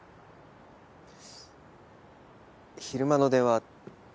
昼間の電話